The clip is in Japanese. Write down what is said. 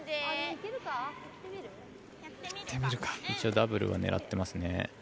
一応、ダブルは狙っていますね。